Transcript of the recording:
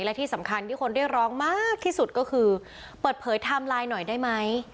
และที่สำคัญที่คนเรียกร้องมากที่สุดก็คือเปิดเผยไทม์ไลน์หน่อยได้ไหม